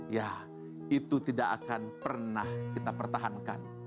ya itu tidak akan pernah kita pertahankan